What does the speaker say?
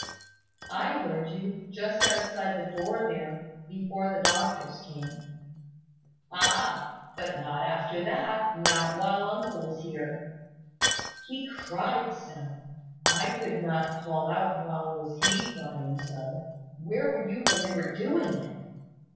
"I heard you just outside the door there before the doctors came." "Ah! But not after, not while uncle was here. He cried so! I could not call out while was he crying so. Where were you when they were doing it?"